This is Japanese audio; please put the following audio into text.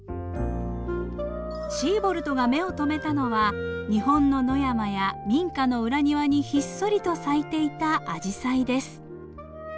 シーボルトが目を留めたのは日本の野山や民家の裏庭にひっそりと咲いていたアジサイです。